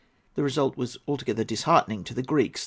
The result was altogether disheartening to the Greeks.